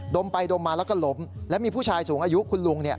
ดมไปดมมาแล้วก็หลมแล้วมีผู้ชายสูงอายุคุณลุง